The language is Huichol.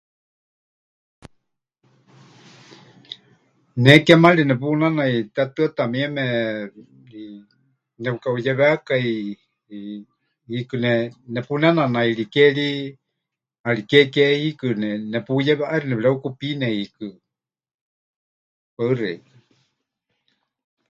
Ne kémari nepunanai tetɨ́ata mieme, eh, nepɨkaʼuyewékai, eh, hiikɨ ne... nepunenanaíri ke ri, ʼariké ke hiikɨ ne... nepuyewe, ʼaixɨ nepɨreukupiine hiikɨ. Paɨ xeikɨ́a.